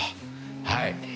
はい。